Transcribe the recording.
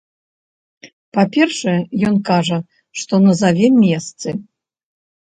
Па-першае, ён кажа, што назаве месцы.